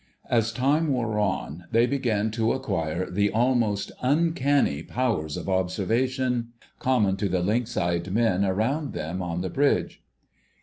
As time wore on they began to acquire the almost uncanny powers of observation common to the lynx eyed men around them on the bridge.